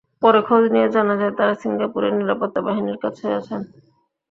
পরে খোঁজ নিয়ে জানা যায়, তাঁরা সিঙ্গাপুরের নিরাপত্তা বাহিনীর কাছে আছেন।